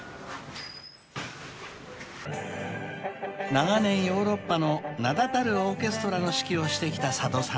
［長年ヨーロッパの名だたるオーケストラの指揮をしてきた佐渡さん］